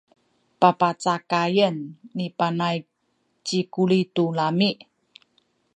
papacakayen ni Panay ci Kuli tu lami’.